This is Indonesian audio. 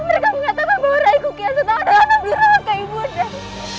mereka mengatakan bahwa rai kukia setahun dalam diri mereka ibu nek